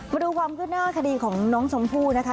มาดูความขึ้นหน้าคดีของน้องชมพู่นะคะ